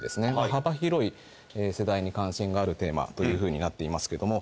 幅広い世代に関心があるテーマというふうになっていますけども。